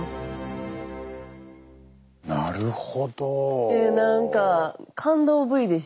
なるほど。